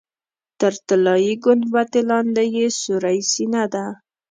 تر طلایي ګنبدې لاندې یې سورۍ سینه ده.